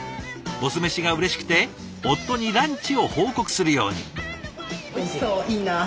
ボス飯がうれしくて夫にランチを報告するように。